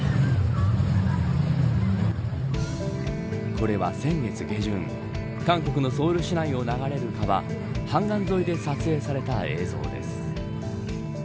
これは先月下旬韓国のソウル市内を流れる川漢江沿いで撮影された映像です。